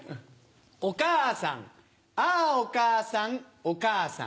お母さんああお母さんお母さん。